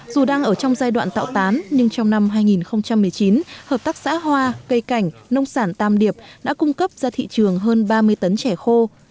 dù đang ở trong giai đoạn tạo tán nhưng trong năm hai nghìn một mươi chín hợp tác xã hoa cây cảnh nông sản tam điệp đã cung cấp ra thị trường hơn ba mươi tấn chè khô